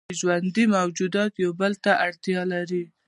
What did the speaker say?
ژوندي موجودات یو بل ته اړتیا لري